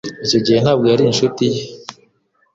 Icyo gihe ntabwo yari inshuti ye